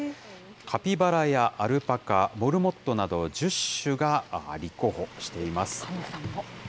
カピバラやアルパカ、モルモットなど１０種が立候補しています。